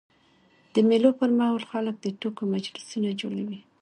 د مېلو پر مهال خلک د ټوکو مجلسونه جوړوي.